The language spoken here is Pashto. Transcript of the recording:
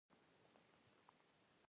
د سینې د پړسوب لپاره د کرم پاڼې وکاروئ